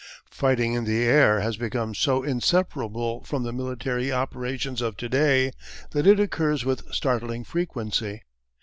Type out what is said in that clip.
Fighting in the air has become so inseparable from the military operations of to day that it occurs with startling frequency.